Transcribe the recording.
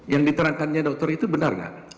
yang diterangkannya dokter itu benar nggak